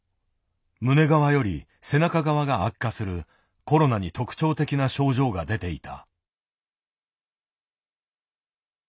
胸側より背中側が悪化するコロナに特徴的な症状が出ていた。